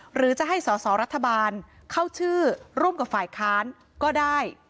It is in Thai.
หรือจะให้สอสอรัฐบาลเข้าชื่อร่วมกับฝ่ายค้านก็ได้